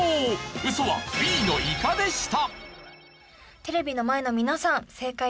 ウソはＢのイカでした。